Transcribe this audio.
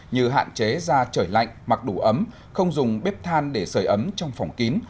như hạn chế ra trời lạnh mặc đủ ấm không dùng bếp than để sửa ấm trong phòng kín